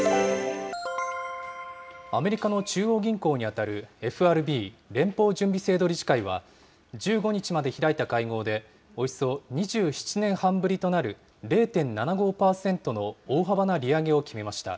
アメリカの中央銀行に当たるＦＲＢ・連邦準備制度理事会は、１５日まで開いた会合で、およそ２７年半ぶりとなる０．７５％の大幅な利上げを決めました。